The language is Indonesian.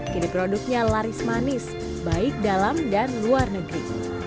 kini produknya laris manis baik dalam dan luar negeri